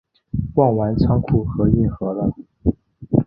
逛完仓库和运河了